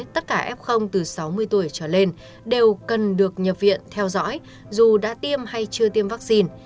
tất cả f từ sáu mươi tuổi trở lên đều cần được nhập viện theo dõi dù đã tiêm hay chưa tiêm vaccine